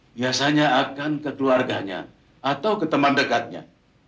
biasanya akan ke keluarganya atau ke teman dekatnya